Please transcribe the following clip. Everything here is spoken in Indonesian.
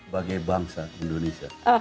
bagai bangsa indonesia